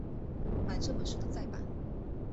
买这本书的再版